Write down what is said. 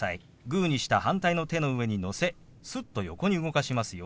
グーにした反対の手の上にのせすっと横に動かしますよ。